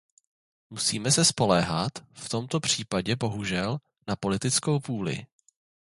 Musíme se spoléhat, v tomto případě bohužel, na politickou vůli.